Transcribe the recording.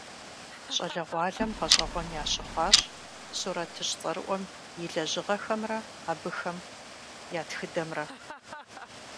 Щӏалэгъуалэм гъэщӀэгъуэн ящыхъуащ сурэтыщӀ цӀэрыӀуэм и лэжьыгъэхэмрэ абыхэм я тхыдэмрэ.